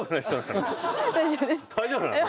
大丈夫なの？